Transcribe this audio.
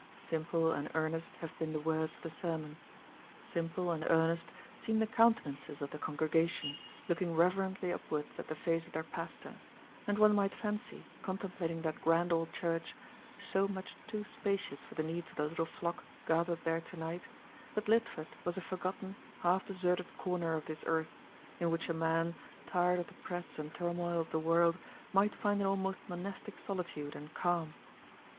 Simple and earnest have been the words of the sermon, simple and earnest seem the countenances of the congregation, looking reverently upwards at the face of their pastor; and one might fancy, contemplating that grand old church, so much too spacious for the needs of the little flock gathered there to night, that Lidford was a forgotten, half deserted corner of this earth, in which a man, tired of the press and turmoil of the world, might find an almost monastic solitude and calm.